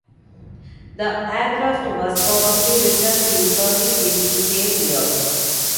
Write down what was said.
The aircraft was probably returned in service in the same year.